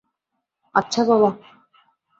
আচ্ছা, বাবা।